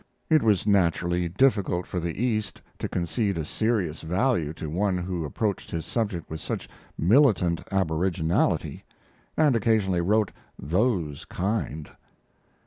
It was naturally difficult for the East to concede a serious value to one who approached his subject with such militant aboriginality, and occasionally wrote "those kind."